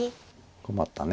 困ったね。